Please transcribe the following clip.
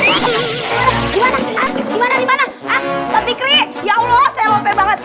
ustadz bikri ya allah saya lope banget